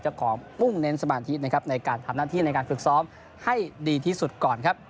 จะขอมุ่งเน้นสมาธินะครับในการทำหน้าที่ในการฝึกซ้อมให้ดีที่สุดก่อนครับ